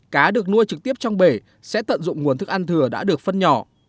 cá được nuôi trực tiếp trong bể sẽ tận dụng nguồn thức ăn thừa đã được phân nhỏ